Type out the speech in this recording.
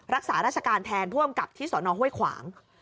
รักษาราชการแทนผู้อำกับที่สนห้วยขวาง